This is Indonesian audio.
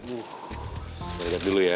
uh saya lihat dulu ya